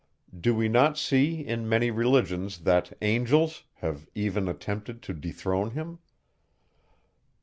Do we not see, in many religions, that angels, have even attempted to dethrone him?